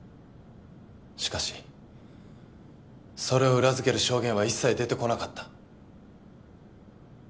しかしそれを裏付ける証言は一切出てこなかった。